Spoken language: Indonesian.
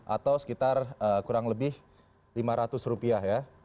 atau sekitar kurang lebih lima ratus rupiah ya